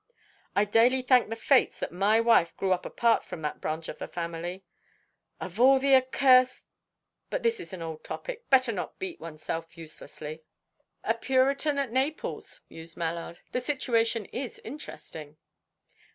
I daily thank the fates that my wife grew up apart from that branch of the family. Of all the accursed But this is an old topic; better not to beat one's self uselessly." "A Puritan at Naples," mused Mallard. "The situation is interesting."